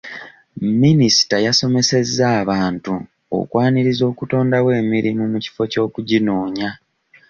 Minisita yasomesezza abantu okwaniriza okutondawo emirimu mu kifo ky'okuginoonya.